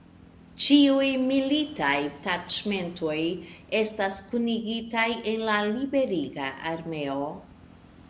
Ĉiuj militaj taĉmentoj estas kunigitaj en la Liberiga Armeo.